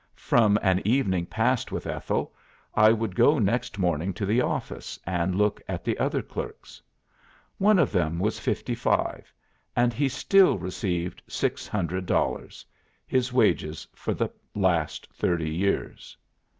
From an evening passed with Ethel, I would go next morning to the office and look at the other clerks. One of them was fifty five, and he still received six hundred dollars his wages for the last thirty years.